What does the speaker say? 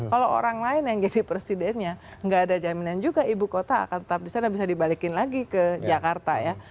kalau orang lain yang jadi presidennya nggak ada jaminan juga ibu kota akan tetap di sana bisa dibalikin lagi ke jakarta ya